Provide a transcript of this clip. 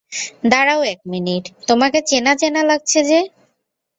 দাঁড়াও এক মিনিট, তোমাকে চেনা চেনা লাগছে যে?